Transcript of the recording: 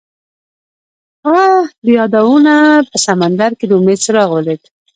هغه د یادونه په سمندر کې د امید څراغ ولید.